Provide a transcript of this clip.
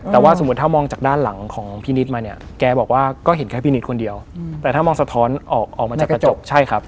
แต่ว่าสมมุติถ้ามองจากด้านหลังของพี่นิดมาเนี่ยแกบอกว่าก็เห็นแค่พี่นิดคนเดียวแต่ถ้ามองสะท้อนออกมาจากกระจกใช่ครับ